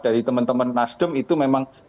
dari teman teman nasdem itu memang